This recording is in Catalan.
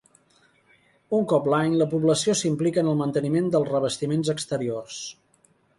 Un cop l'any la població s'implica en el manteniment dels revestiments exteriors.